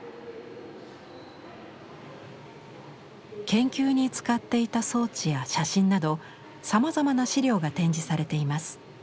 研究に使っていた装置や写真などさまざまな資料が展示されています。